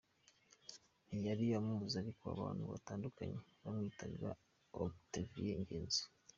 Ntiyari amuzi ariko abantu batandukanye bamwitanga Octavien Ngenzi.